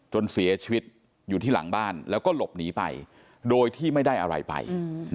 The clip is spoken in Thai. จนเสียชีวิตอยู่ที่หลังบ้านแล้วก็หลบหนีไปโดยที่ไม่ได้อะไรไป